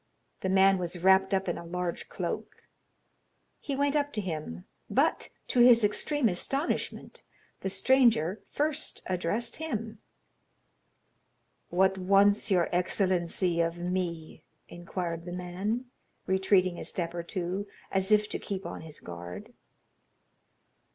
The man was wrapped up in a large cloak. He went up to him, but, to his extreme astonishment, the stranger first addressed him. "What wants your excellency of me?" inquired the man, retreating a step or two, as if to keep on his guard.